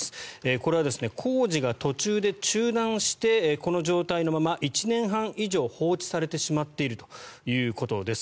これは工事が途中で中断してこの状態のまま１年半以上放置されてしまっているということです。